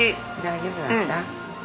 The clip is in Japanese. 大丈夫だった？